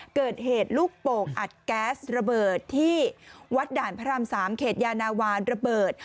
เกิดเหตุลูกโป่งอัดแก๊สระเบิดที่วัดด่านพระราม๓เขตยานาวานระเบิด